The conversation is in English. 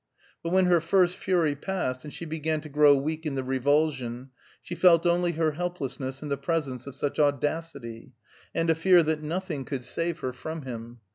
But when her first fury passed, and she began to grow weak in the revulsion, she felt only her helplessness in the presence of such audacity, and a fear that nothing could save her from him.